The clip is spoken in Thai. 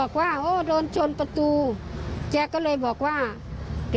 เขาจะนอนอยู่ตรงโต๊ะตัดผมเขานะ